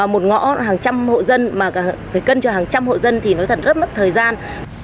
một ngõ hàng trăm hộ dân mà phải cân cho hàng trăm hộ dân thì nói thật rất mất thời gian